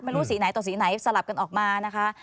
ไม่รู้สีไหนต่อสีไหนสลับกันออกมานะคะ